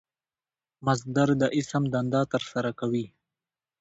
مصدر د اسم دنده ترسره کوي.